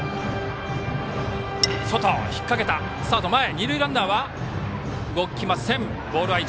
二塁ランナーは動きません。